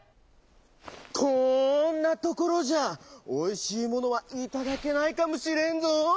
こんなところじゃおいしいものはいただけないかもしれんぞ。